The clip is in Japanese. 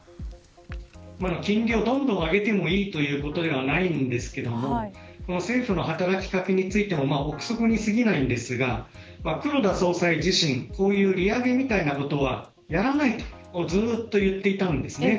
金利をどんどん上げてもいいということではないんですが政府の働き掛けについても臆測に過ぎないんですが黒田総裁自身、こういう利上げみたいなことはやらないとずっと言っていたんですね。